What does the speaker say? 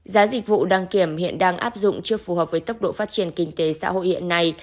giá dịch vụ đăng kiểm hiện đang áp dụng chưa phù hợp với tốc độ phát triển kinh tế xã hội hiện nay